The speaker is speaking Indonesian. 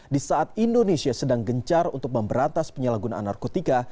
di saat indonesia sedang gencar untuk memberantas penyalahgunaan narkotika